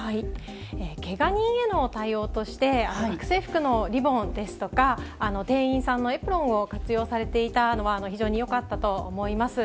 けが人への対応として、学生服のリボンですとか、店員さんのエプロンを活用されていたのは非常によかったと思います。